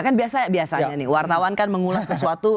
kan biasanya nih wartawan kan mengulas sesuatu